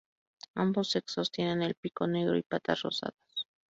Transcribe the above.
Ambos sexos tienen el pico negro y patas rosadas.